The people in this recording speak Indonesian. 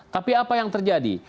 tapi apa yang terjadi